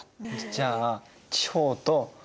じゃあ地方と都。